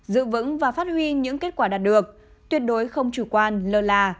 giữ vững và phát huy những kết quả đạt được tuyệt đối không chủ quan lơ là